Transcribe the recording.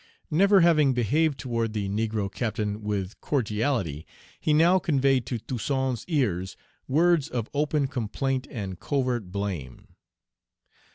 Never having behaved toward the negro captain with cordiality, he now conveyed to Toussaint's ears words of open complaint and covert blame.